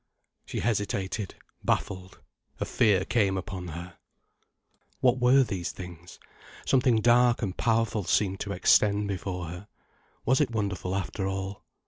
She hesitated, baffled, a fear came upon her. What were these things? Something dark and powerful seemed to extend before her. Was it wonderful after all?